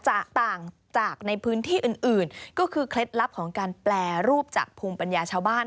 ต่างจากในพื้นที่อื่นอื่นก็คือเคล็ดลับของการแปรรูปจากภูมิปัญญาชาวบ้าน